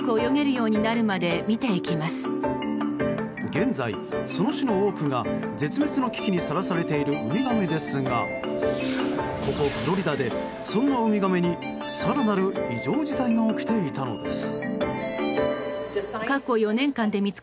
現在その種の多くが、絶滅の危機にさらされているウミガメですがここ、フロリダでそんなウミガメに更なる異常事態が起きていたのです。